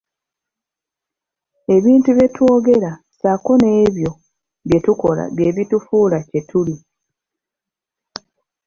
Ebintu bye twogera ssaako n'ebyo bye tukola bye bitufuula kye tuli.